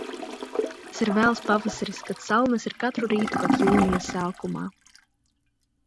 Tas ir vēls pavasaris, kad salnas ir katru rītu pat Jūnija sākumā.